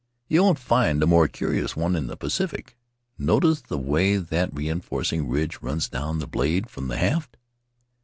"You won't find a more curious one in the Pacific. Notice the way that reinforcing ridge runs down the blade from the haft?